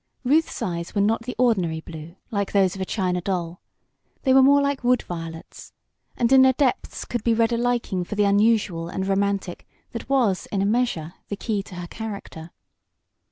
Ruth's eyes were not the ordinary blue like those of a china doll. They were more like wood violets, and in their depths could be read a liking for the unusual and romantic that was, in a measure, the key to her character.